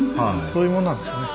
そういうもんなんですかね。